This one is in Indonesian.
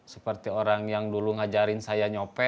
seperti orang yang dulu ngajarin saya nyope